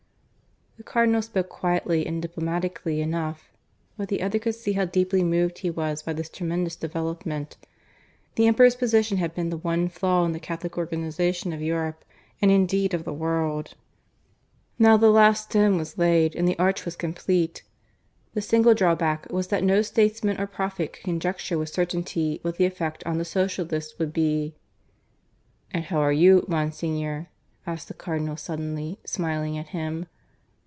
The Cardinal spoke quietly and diplomatically enough; but the other could see how deeply moved he was by this tremendous development. The Emperor's position had been the one flaw in the Catholic organization of Europe and indeed of the world. Now the last stone was laid, and the arch was complete. The single drawback was that no statesman or prophet could conjecture with certainty what the effect on the Socialists would be. "And how are you, Monsignor?" asked the Cardinal suddenly, smiling at him.